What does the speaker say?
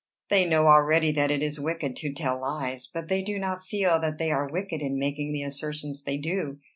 "They know already that it is wicked to tell lies; but they do not feel that they are wicked in making the assertions they do.